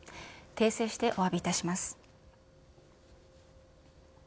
訂正しておわびいたします。